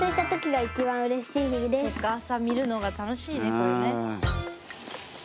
そっか朝見るのが楽しいねこれね。